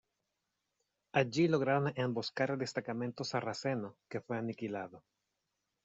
Allí lograron emboscar al destacamento sarraceno, que fue aniquilado.